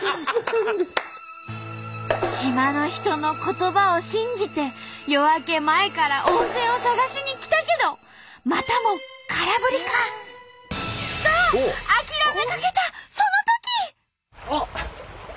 島の人の言葉を信じて夜明け前から温泉を探しに来たけどまたも空振りか？と諦めかけたそのとき！